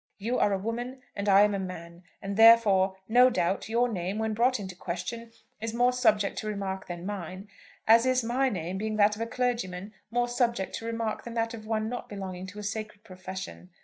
You are a woman, and I am a man; and therefore, no doubt, your name, when brought in question, is more subject to remark than mine, as is my name, being that of a clergyman, more subject to remark than that of one not belonging to a sacred profession.